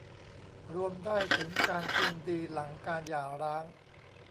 รวมได้ถึงการคืนดีหลังการหย่าร้าง